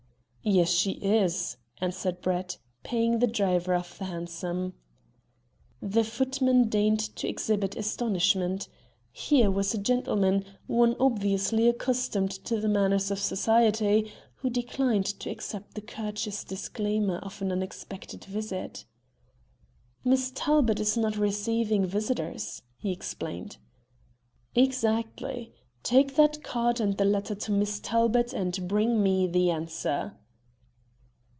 "Yes, she is," answered Brett, paying the driver of the hansom. The footman deigned to exhibit astonishment. Here was a gentleman one obviously accustomed to the manners of Society who declined to accept the courteous disclaimer of an unexpected visit. "Miss Talbot is not receiving visitors," he explained. "Exactly. Take that card and the letter to Miss Talbot and bring me the answer."